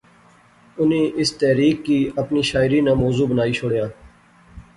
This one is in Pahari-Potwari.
انی اس تحریک کی اپنی شاعری ناں موضوع بنائی شوڑیا